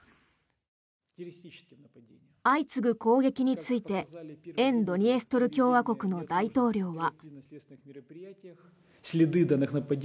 相次ぐ攻撃について沿ドニエストル共和国の大統領は。